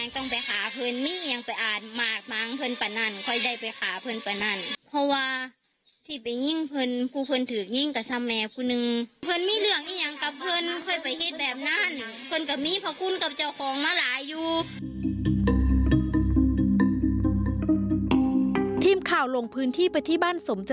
ทีมข่าวลงพื้นที่ปฏิบันสมใจ